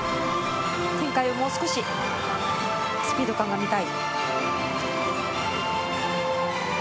展開は、もう少しスピード感が見たい。